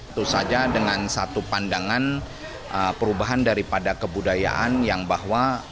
itu saja dengan satu pandangan perubahan daripada kebudayaan yang bahwa